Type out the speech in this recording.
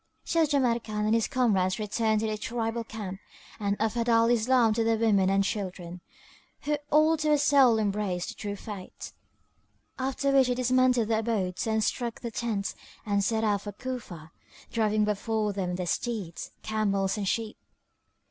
So Jamrkan and his comrades returned to their tribal camp and offered Al Islam to their women and children, who all to a soul embraced the True Faith, after which they dismantled their abodes and struck their tents and set out for Cufa, driving before them their steeds, camels and sheep.